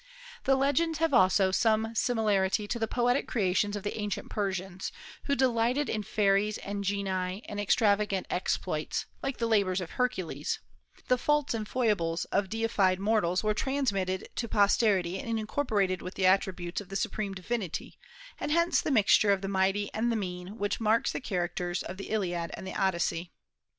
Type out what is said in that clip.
The legends have also some similarity to the poetic creations of the ancient Persians, who delighted in fairies and genii and extravagant exploits, like the labors of Hercules The faults and foibles of deified mortals were transmitted to posterity and incorporated with the attributes of the supreme divinity, and hence the mixture of the mighty and the mean which marks the characters of the Iliad and Odyssey.